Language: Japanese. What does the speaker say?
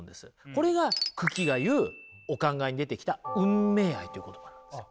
これが九鬼が言うお考えに出てきた「運命愛」っていう言葉なんですよ。